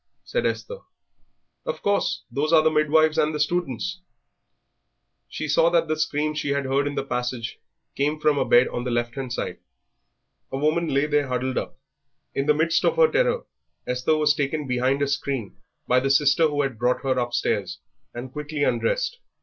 said Esther. "Of course; those are the midwives and the students." She saw that the screams she had heard in the passage came from a bed on the left hand side. A woman lay there huddled up. In the midst of her terror Esther was taken behind a screen by the sister who had brought her upstairs and quickly undressed.